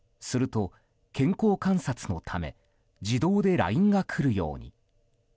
すると、健康観察のため自動でＬＩＮＥが来るように。